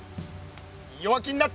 弱気になった！